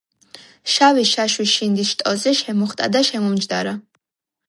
შავი შაშვი შინდის შტოზე შემოხტა და შემომჯდარა.